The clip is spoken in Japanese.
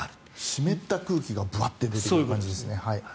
湿った空気がぶわっと出てくる感じですね。